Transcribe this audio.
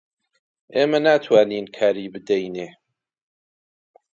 ئێمە ناتوانین کاری بدەینێ